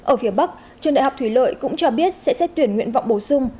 ở phía bắc trường đại học thủy lợi cũng cho biết sẽ xét tuyển nguyện vọng bổ sung